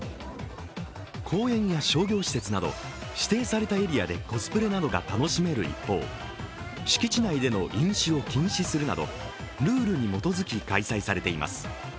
公園や商業施設など指定されたエリアでコスプレなどが楽しめる一方、敷地内での飲酒を禁止するなど、ルールに基づき開催されています。